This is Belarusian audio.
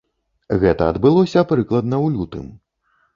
Гэта адбылося прыкладна ў лютым.